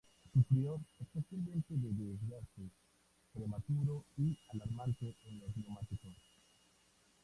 Sufrió especialmente de desgaste prematuro y alarmante en los neumáticos.